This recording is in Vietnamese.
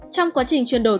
trong quá trình chuyển đổi